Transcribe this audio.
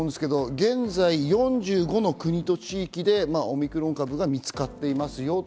現在、４５の国と地域でオミクロン株が見つかっています。